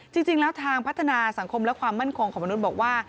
จริงแล้วทางพัฒนาสังคมและความมั่นคงของมนุษย์บอกว่า